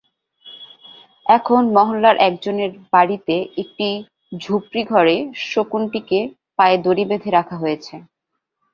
এখন মহল্লার একজনের বাড়িতে একটি ঝুপড়িঘরে শকুনটিকে পায়ে দড়ি বেঁধে রাখা হয়েছে।